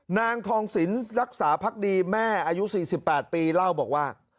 นางทองสินรักษาพักดีแม่อายุ๔๘ปีเล่าบอกว่า